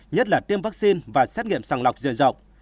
nhất là tiêm vaccine và xét nghiệm sàng lọc dường dọc